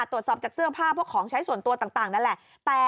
ตรวจสอบจากเสื้อผ้าพวกของใช้ส่วนตัวต่างนั่นแหละ